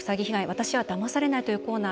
私はだまされない」というコーナー